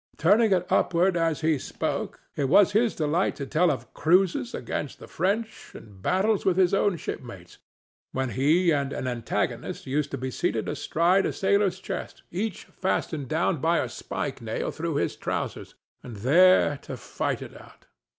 Turning it upward as he spoke, it was his delight to tell of cruises against the French and battles with his own shipmates, when he and an antagonist used to be seated astride of a sailor's chest, each fastened down by a spike nail through his trousers, and there to fight it out.